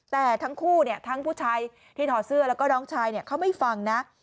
แต่ทั้งคู่ทั้งผู้ชายที่ถอดเสื้อแล้วก็น้องชายเขาไม่ฟังนะ